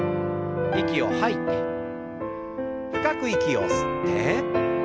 息を吐いて深く息を吸って。